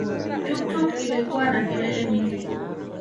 Tuktuk ilikuwa na kelele nyingi